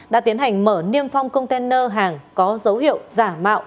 đã tiến hành mở niêm phong container hàng có dấu hiệu giả mạo